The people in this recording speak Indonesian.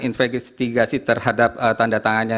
investigasi terhadap tanda tangannya